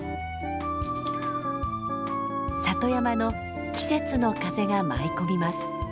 里山の季節の風が舞い込みます。